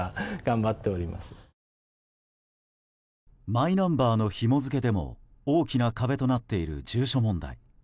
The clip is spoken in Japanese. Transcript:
マイナンバーのひも付けでも大きな壁となっている住所問題。